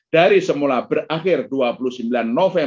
dari bulan maret ke bulan maret dua ribu dua puluh